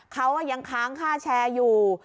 เขายังค้างค่าแชร์อยู่